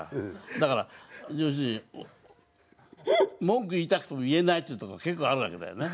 だから要するに文句言いたくても言えないってとこ結構あるわけだよね。